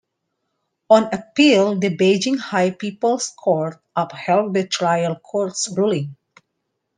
On appeal, the Beijing High People's Court upheld the trial court's ruling.